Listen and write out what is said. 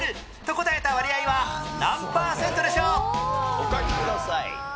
お書きください。